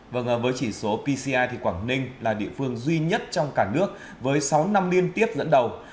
vâng với chỉ số pci thì quảng ninh là địa phương duy nhất trong cả nước với sáu năm liên tiếp dẫn đầu